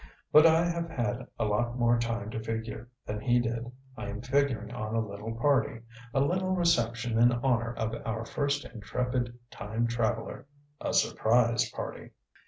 But I have had a lot more time to figure than he did. I am figuring on a little party; a little reception in honor of our first intrepid time traveler. A surprise party.